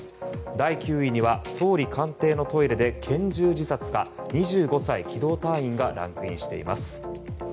第９位には総理官邸のトイレで拳銃自殺か２５歳機動隊員がランクインしています。